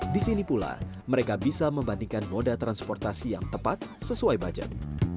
di sini pula mereka bisa membandingkan moda transportasi yang tepat sesuai budget